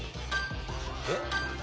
えっ？